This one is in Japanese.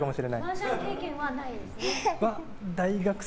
マージャン経験はないですか？